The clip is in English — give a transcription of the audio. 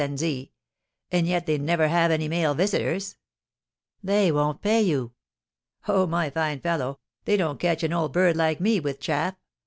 and 'Z.' And yet they never have any male visitors." "They won't pay you." "Oh, my fine fellow, they don't catch an old bird like me with chaff.